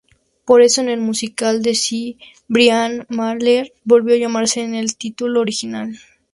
Por eso El musical de Cibrián Mahler volvió a llamarse con el título original.